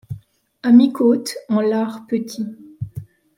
A mi-côte, en l'art petit